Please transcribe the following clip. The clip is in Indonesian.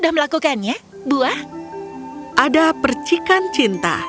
dia mencari perang untuk menjadi orang yang jahat dan cinta